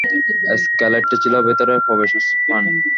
স্কাইলাইটটা ছিল ভেতরে প্রবেশের সোপান।